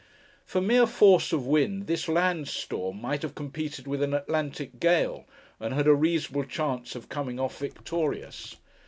For mere force of wind, this land storm might have competed with an Atlantic gale, and had a reasonable chance of coming off victorious.